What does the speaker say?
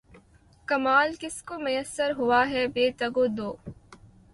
کمال کس کو میسر ہوا ہے بے تگ و دو